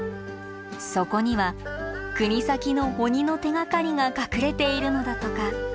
そこには国東の鬼の手がかりが隠れているのだとか。